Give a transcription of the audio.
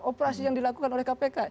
operasi yang dilakukan oleh kpk